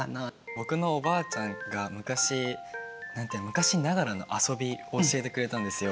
僕のおばあちゃんが昔昔ながらの遊びを教えてくれたんですよ。